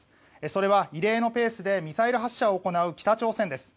それは異例のペースでミサイル発射を行う北朝鮮です。